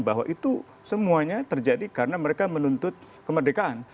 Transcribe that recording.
bahwa itu semuanya terjadi karena mereka menuntut kemerdekaan